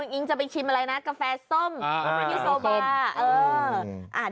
อิงจะไปชิมอะไรนะกาแฟส้มพี่โซบา